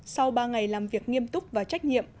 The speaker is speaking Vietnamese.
sau ba ngày làm việc nghiêm túc và trách nhiệm